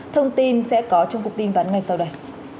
thông tin sẽ có trong cụm tin vắn ngay sau đây